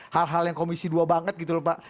hal hal yang komisi dua banget gitu lho pak